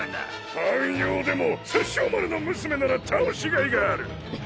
半妖でも殺生丸の娘なら倒し甲斐がある。